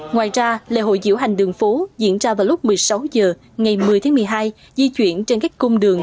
ngoài ra lễ hội diễu hành đường phố diễn ra vào lúc một mươi sáu h ngày một mươi tháng một mươi hai di chuyển trên các cung đường